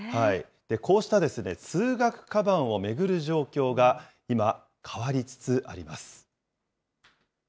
こうした通学かばんを巡る状況が、今、変わりつつあります。